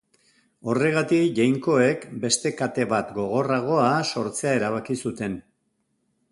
Horregatik, jainkoek, beste kate bat, gogorragoa, sortzea erabaki zuten.